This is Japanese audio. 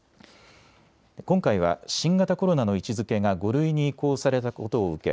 今回は新型コロナの位置づけが５類に移行されたことを受け